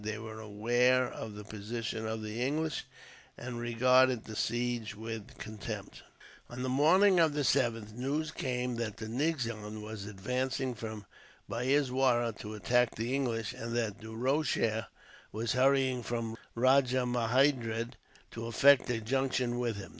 They were aware of the position of the English, and regarded the siege with contempt. On the morning of the 7th, news came that the nizam was advancing from Baizwara to attack the English; and that Du Rocher was hurrying from Rajahmahendri, to effect a junction with him.